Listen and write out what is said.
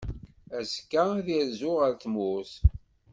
Azekka, ad irzu ɣer tmurt.